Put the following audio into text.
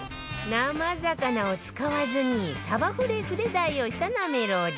生魚を使わずにさばフレークで代用したなめろう丼